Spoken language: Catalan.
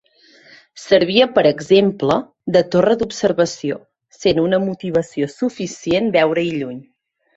Servia per exemple, de torre d'observació, sent una motivació suficient veure-hi lluny.